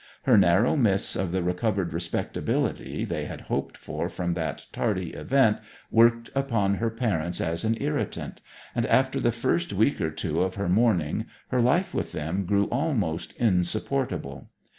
Her narrow miss of the recovered respectability they had hoped for from that tardy event worked upon her parents as an irritant, and after the first week or two of her mourning her life with them grew almost insupportable.